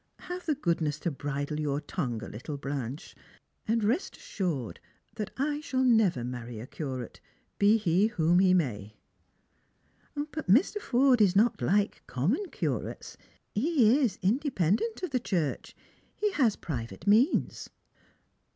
" Have the goodness to bridle your tongue a little, Blanche; and rest assured that I shall never marry a Curate, be he whom he may." "But Mr. Forde is not like common Curates. He is independent of the Church. He has private means."